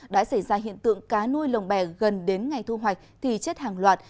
đã xảy ra hiện tượng cá nuôi lồng bè gần đến ngày thu hoạch tỷ chất hàng loạt